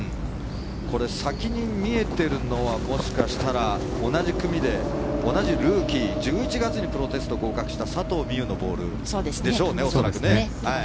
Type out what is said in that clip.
これ、先に見えているのはもしかしたら同じ組で同じルーキー１１月にプロテストを合格した佐藤心結のボールでしょうね。